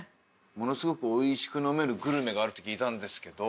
ものすごくおいしく飲めるグルメがあるって聞いたんですけど。